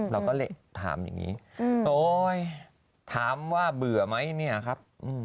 เราก็เลยถามอย่างนี้โอ๊ยถามว่าเบื่อไหมเนี่ยครับ